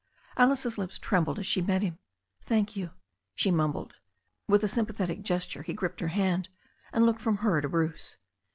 Alice's lips trembled as she met him. "Thank you," she mumbled. With a sympathetic gesture he gripped her hand^ and looked from'^her to Bruce.